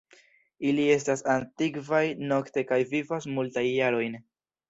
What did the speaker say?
Ili estas aktivaj nokte kaj vivas multajn jarojn.